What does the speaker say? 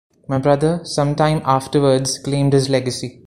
My brother some time afterwards claimed his legacy.